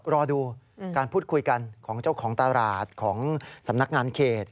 รอดูการพูดคุยกันของเจ้าของตลาดของสำนักงานเขต